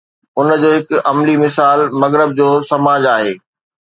ان جو هڪ عملي مثال مغرب جو سماج آهي.